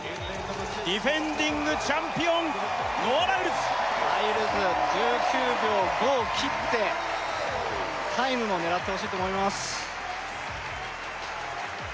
ディフェンディングチャンピオンノア・ライルズライルズ１９秒５を切ってタイムも狙ってほしいと思います